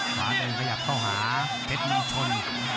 ขวาหนึ่งขยับเต้าหาเจธมีชน